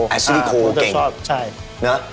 แอชริโคเก่ง